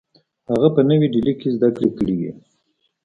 هغه په نوې ډیلي کې زدکړې کړې وې